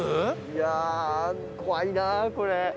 いやー怖いなこれ。